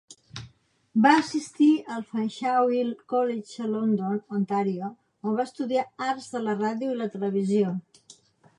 Va assistir al Fanshawe College a London, Ontario, on va estudiar Arts de la Ràdio i la Televisió.